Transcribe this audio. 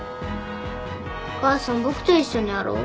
お母さん僕と一緒にやろう。